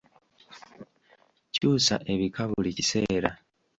Kyusa ebika buli kiseera.